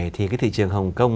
thì thị trường hồng kông